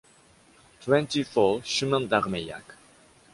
Twenty-four chemin d’Armeilhac.